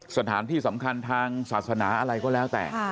สถานที่สำคัญทางศาสนาอะไรก็แล้วแต่